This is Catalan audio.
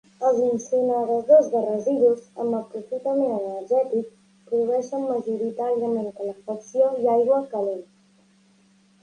Els incineradors de residus amb aprofitament energètic produeixen majoritàriament calefacció i aigua calent.